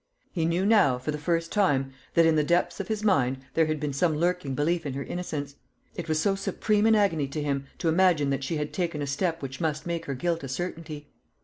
He knew now, for the first time, that in the depths of his mind there had been some lurking belief in her innocence, it was so supreme an agony to him to imagine that she had taken a step which must make her guilt a certainty.